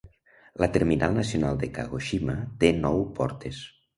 La terminal nacional de Kagoshima té nou portes.